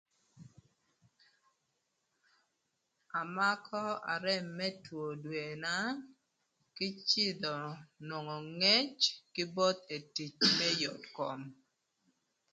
Amako arem më two dwena kï cïdhö nwongo ngec kï both etic më yot kom.